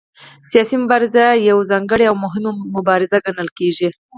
سیاسي مبارزه یوه ځانګړې او مهمه مبارزه ګڼل کېږي